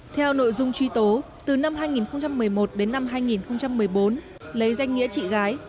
theo nội dung truy tố từ năm hai nghìn một mươi một đến năm hai nghìn một mươi bốn lấy danh nghĩa chị gái